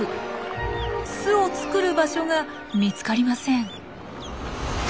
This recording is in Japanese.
巣を作る場所が見つかりません。